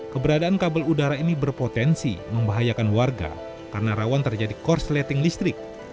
keberadaan kabel udara ini berpotensi membahayakan warga karena rawan terjadi korsleting listrik